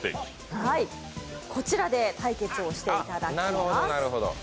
こちらで対決をしていただきます。